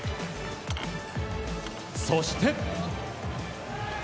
そして。